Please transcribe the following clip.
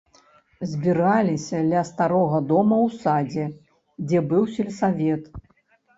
Збіраліся ля старога дома ў садзе, дзе быў сельсавет.